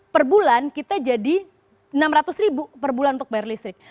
per bulan kita jadi rp enam ratus ribu per bulan untuk bayar listrik